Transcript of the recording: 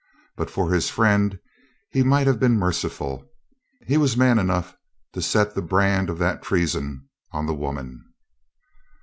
But for his friend he might have been merciful. He was man enough to set the brand of that treason on the woman.